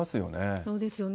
そうですよね。